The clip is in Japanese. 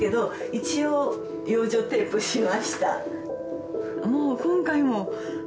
一応養生テープしました。